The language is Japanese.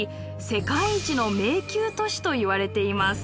世界一の迷宮都市といわれています。